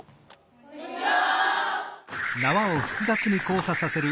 こんにちは！